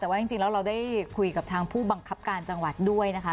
แต่ว่าจริงแล้วเราได้คุยกับทางผู้บังคับการจังหวัดด้วยนะคะ